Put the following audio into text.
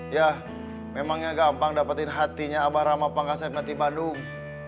yah memangnya gampang dapetin hatinya abah rama pangkasem nati bandung